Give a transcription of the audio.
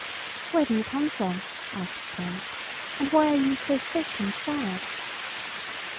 "Where do you come from?" asked Tom. "And why are you so sick and sad?"